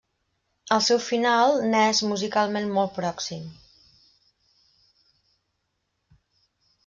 El seu final n'és musicalment molt pròxim.